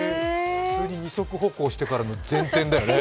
二足歩行してからの前転だよね。